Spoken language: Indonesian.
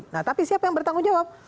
nah tapi siapa yang bertanggung jawab